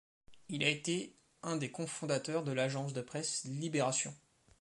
Il a été un des cofondateurs de l'Agence de presse Libération.